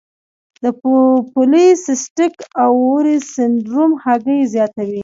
د پولی سیسټک اووری سنډروم هګۍ زیاتوي.